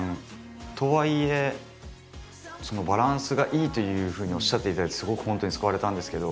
とはいえバランスがいいというふうにおっしゃっていただいてすごく本当に救われたんですけど。